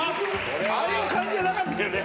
ああいう感じじゃなかったよね。